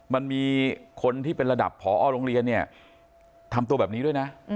มันมีคนที่เป็นระดับพอโรงเรียนเนี่ยทำตัวแบบนี้ด้วยนะ